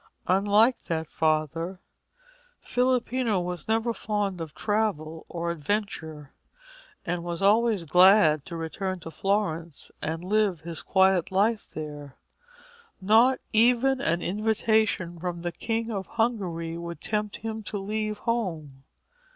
Unlike that father, Filippino was never fond of travel or adventure, and was always glad to return to Florence and live his quiet life there. Not even an invitation from the King of Hungary could tempt him to leave home.